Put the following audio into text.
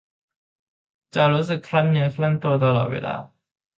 จะรู้สึกครั่นเนื้อครั่นตัวตลอดเวลา